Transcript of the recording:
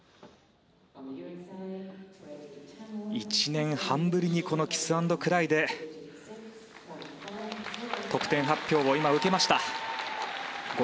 １年半ぶりにこのキスアンドクライで得点発表を受けました。